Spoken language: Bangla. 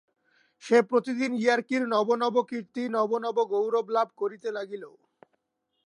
সে প্রতিদিন ইয়ার্কির নব নব কীর্তি, নব নব গৌরবলাভ করিতে লাগিল।